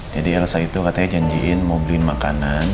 jadi elsa itu katanya janjiin mau beliin makanan